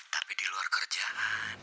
tapi di luar kerjaan